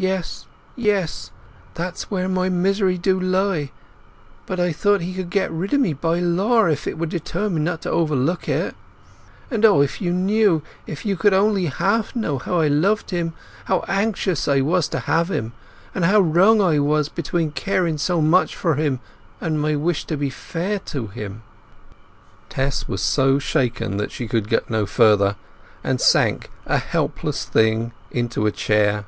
"Yes, yes; that's where my misery do lie! But I thought he could get rid o' me by law if he were determined not to overlook it. And O, if you knew—if you could only half know how I loved him—how anxious I was to have him—and how wrung I was between caring so much for him and my wish to be fair to him!" Tess was so shaken that she could get no further, and sank, a helpless thing, into a chair.